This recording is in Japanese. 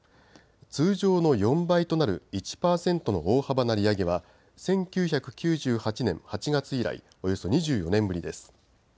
通常の４倍となる１％の大幅な利上げは１９９８年８月以来、およそ２４年ぶりです。